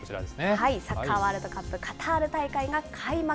サッカーワールドカップカタール大会が開幕。